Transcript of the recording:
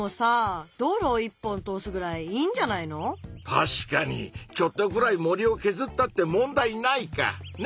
確かにちょっとぐらい森をけずったって問題ないか！ね？